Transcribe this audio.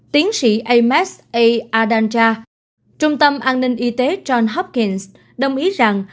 tiến sĩ ames a adanja trung tâm an ninh y tế john hopkins đồng ý rằng